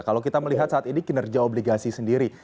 kalau kita melihat saat ini kinerja obligasi sendiri